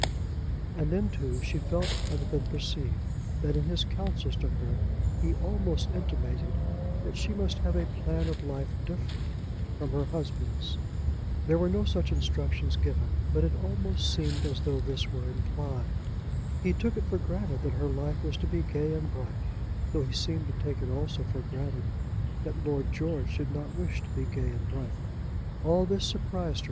And then, too, she felt, rather than perceived, that in his counsels to her he almost intimated that she must have a plan of life different from her husband's. There were no such instructions given, but it almost seemed as though this were implied. He took it for granted that her life was to be gay and bright, though he seemed to take it also for granted that Lord George did not wish to be gay and bright. All this surprised her.